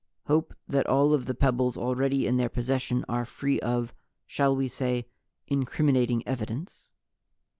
Hope that all of the pebbles already in their possession are free of shall we say, incriminating evidence?